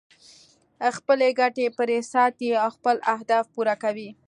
خپلې ګټې پرې ساتي او خپل اهداف پوره کوي.